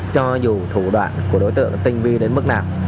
cho dù thủ đoạn của đối tượng tinh vi đến mức nào